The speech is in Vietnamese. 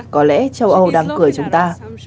có lẽ châu âu đang cười chúng ta